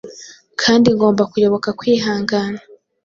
kandi ngomba kuyoboka kwihangana